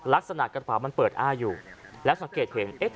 ลักษณะกระเป๋ามันเปิดอ้าอยู่และสังเกตเห็นเอ๊ะถามันไม่มีเจ้าของ